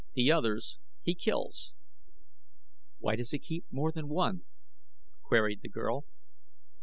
The others he kills." "Why does he keep more than one?" queried the girl.